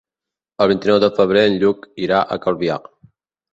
El vint-i-nou de febrer en Lluc irà a Calvià.